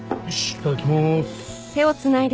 いただきまーす。